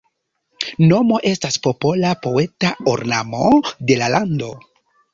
Nomo estas “popola poeta ornamo” de la lando.